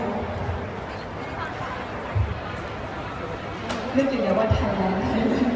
เลือกอยู่เลยว่าทางไว้